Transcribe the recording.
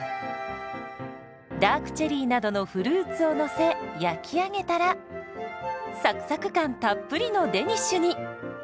ダークチェリーなどのフルーツをのせ焼き上げたらサクサク感たっぷりのデニッシュに。